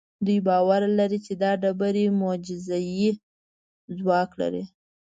دوی باور لري دا ډبرې معجزه اي ځواک لري.